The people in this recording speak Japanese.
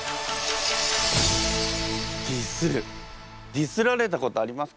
ディスられたことありますか？